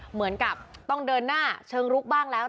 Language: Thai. เหมือนกับต้องเดินหน้าเชิงลุกบ้างแล้ว